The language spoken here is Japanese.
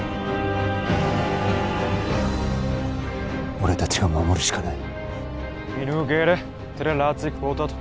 俺達が守るしかない